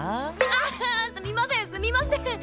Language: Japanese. ああっすみませんすみません！